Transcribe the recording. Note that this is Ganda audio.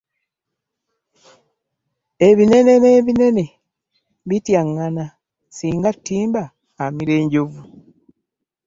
Abinene n'ebinene bityangana, singa ttimba amira enjonvu.